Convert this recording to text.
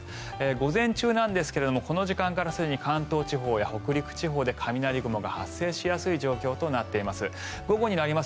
午前中なんですがこの時間からすでに関東地方や北陸地方で雷雲が発生しやすい状況となっています。